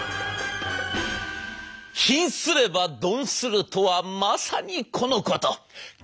「貧すれば鈍する」とはまさにこのこと。